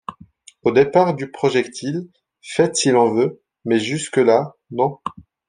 Au départ du projectile, fête si l’on veut, mais jusque-là, non.